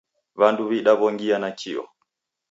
W'andu w'idaw'ongia nakio